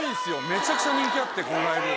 めちゃくちゃ人気あってこのライブ。